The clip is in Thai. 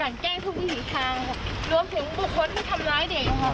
เรียกกันแกล้งอีกวิถีทาง